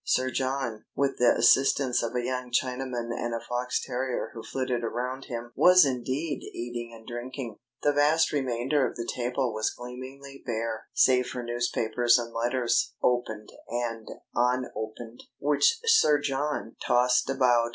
Sir John, with the assistance of a young Chinaman and a fox terrier who flitted around him, was indeed eating and drinking. The vast remainder of the table was gleamingly bare, save for newspapers and letters, opened and unopened, which Sir John tossed about.